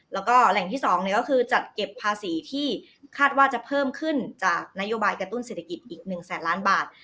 แล้วก็แหล่งที่๒ก็คือจัดเก็บภาษีที่คาดว่าจะเพิ่มขึ้นจากนโยบายกระตุ้นเศรษฐกิจอีก๑แสนล้านบาท